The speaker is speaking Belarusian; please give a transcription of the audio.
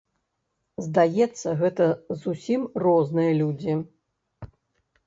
Здаецца, гэта зусім розныя людзі.